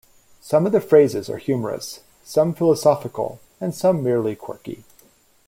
Some of the phrases are humorous, some philosophical, and some merely quirky.